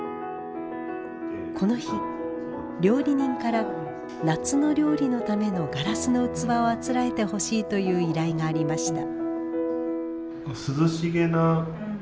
この日料理人から夏の料理のためのガラスの器をあつらえてほしいという依頼がありました。